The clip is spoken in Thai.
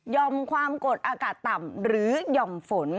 ความกดอากาศต่ำหรือหย่อมฝน